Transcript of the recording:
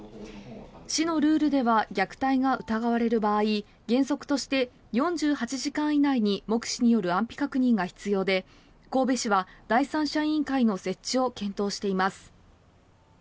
市のルールでは虐待が疑われる場合、原則として４８時間以内に目視による安否確認が必要で神戸市は第三者委員会の設置を検討しています。